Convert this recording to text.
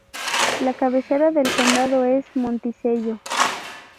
La cabecera del condado es Monticello.